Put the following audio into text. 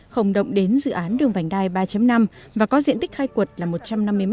không động đến dự án đường vành đai ba năm và có diện tích khai quật là một trăm năm mươi m hai